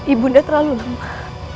ibunda terlalu lama